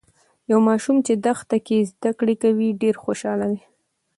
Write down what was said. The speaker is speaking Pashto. یو ماشوم چې دښته کې زده کړې کوي، ډیر خوشاله دی.